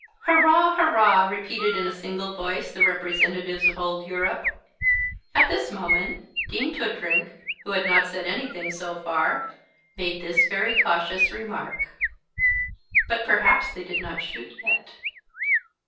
"Hurrah, hurrah," repeated in single voice the representatives of old Europe. At this moment Dean Toodrink, who had not said anything so far, made this very cautious remark: But perhaps they did not shoot yet.